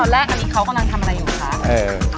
แรกอันนี้เขากำลังทำอะไรอยู่คะ